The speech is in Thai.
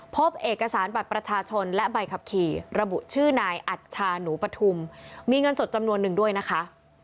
พบเอกสารบัตรประชาชนและใบขับขี่ระบุชื่อนายอัชชาหนูปฐุมมีเงินสดจำนวนหนึ่งด้วยนะคะ